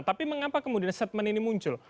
tapi mengapa kemudian statement ini muncul